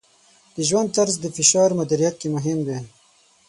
د ژوند طرز د فشار مدیریت کې مهم دی.